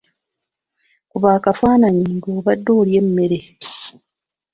Kuba akafaananyi ng'obadde olya mmere.